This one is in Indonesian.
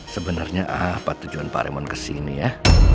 sebenarnya apa tujuan pak remon kesini ya